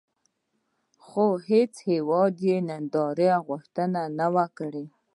خو هېڅ هېواد یې د نندارې غوښتنه ونه کړه.